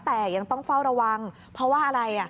แต่ยังต้องเฝ้าระวังเพราะว่าอะไร